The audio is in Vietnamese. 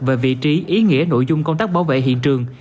về vị trí ý nghĩa nội dung công tác bảo vệ hiện trường